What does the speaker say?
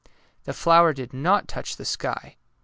The flower did not touch the sky.